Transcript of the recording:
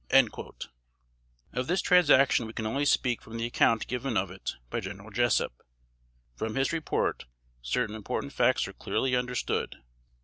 " Of this transaction we can only speak from the account given of it by General Jessup. From his report, certain important facts are clearly understood.